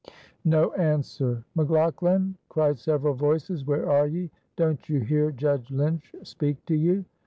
No answer. "McLaughlan," cried several voices, "where are ye? Don't you hear Judge Lynch speak to you?"